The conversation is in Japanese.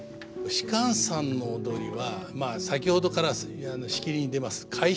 芝さんの踊りはまあ先ほどからしきりに出ます楷書。